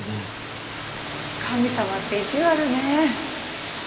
神様って意地悪ね。